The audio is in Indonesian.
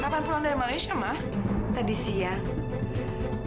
kapan pulang dari malaysia mah tadi siang